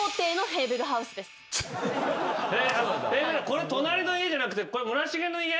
これ隣の家じゃなくて村重の家？